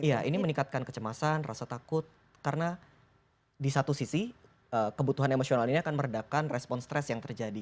iya ini meningkatkan kecemasan rasa takut karena di satu sisi kebutuhan emosional ini akan meredakan respon stres yang terjadi